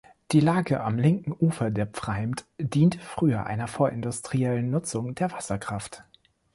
Die Lage am linken Ufer der Pfreimd diente früh einer vorindustriellen Nutzung der Wasserkraft.